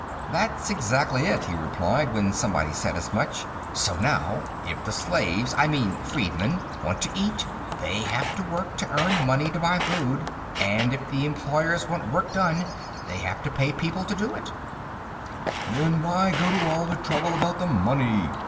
"That's exactly it," he replied, when somebody said as much. "So now, if the slaves, I mean, freedmen, want to eat, they have to work to earn money to buy food, and if the Employers want work done, they have to pay people to do it." "Then why go to all the trouble about the money?"